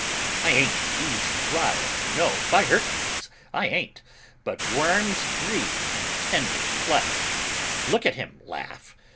I ain't easy riled, no, by Hercules, I ain't, but worms breed in tender flesh. Look at him laugh!